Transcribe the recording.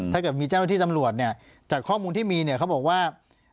ถ้าเกิดมีเจ้าหน้าที่ตำรวจเนี่ยจากข้อมูลที่มีเนี่ยเขาบอกว่า